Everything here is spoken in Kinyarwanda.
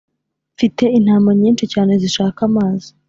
mfite intama nyinshi cyane zishaka amazi